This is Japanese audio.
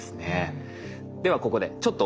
ではここでちょっとおさらい。